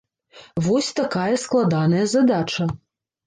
Вось такая складаная задача.